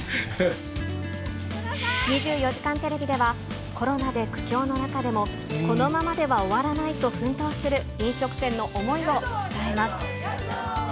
２４時間テレビでは、コロナで苦境の中でも、このままでは終わらないと奮闘する飲食店の想いを伝えます。